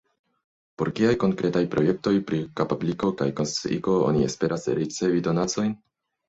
Por kiaj konkretaj projektoj pri kapabligo kaj konsciigo oni esperas ricevi donacojn?